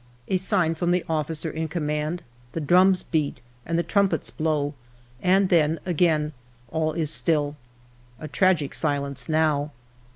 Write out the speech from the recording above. " A sign from the officer in command, the drums beat, and the trumpets blow, and then again all is still j a tragic silence now.